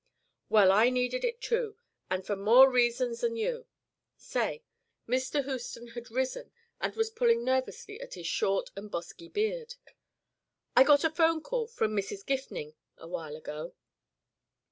"Well, I needed it too, and for more reasons than you. Say " Mr. Houston had risen and was pulling nervously at his short and bosky beard. "I got a 'phone from Mrs. Gifning a while ago.